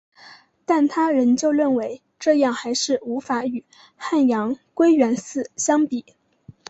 但她依旧认为这样还是无法与汉阳归元寺相比。